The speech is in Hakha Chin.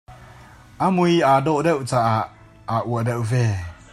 A mui aa dawh deuh caah aa uah deuh ve.